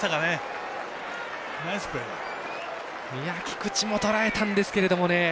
菊地もとらえたんですけど。